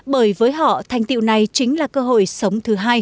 bởi với họ thành tiệu này chính là cơ hội sống thứ hai